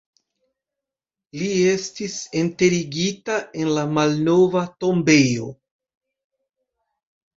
Li estis enterigita en la malnova tombejo.